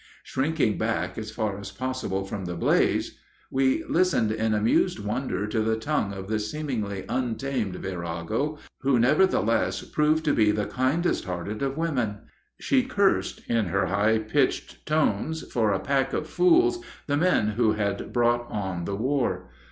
Shrinking back as far as possible from the blaze, we listened in amused wonder to the tongue of this seemingly untamed virago, who, nevertheless, proved to be the kindest hearted of women. She cursed, in her high, pitched tones, for a pack of fools, the men who had brought on the war.